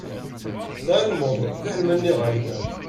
Tɛelmeḍ, fiḥel ma nniɣ-ak-d.